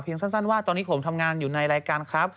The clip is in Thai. สั้นว่าตอนนี้ผมทำงานอยู่ในรายการครับ